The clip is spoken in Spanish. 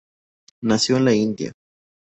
Nació en la India.